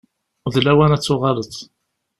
D lawan ad tuɣaleḍ.